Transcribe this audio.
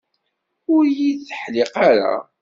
Ur yi-d-teḥliq ara.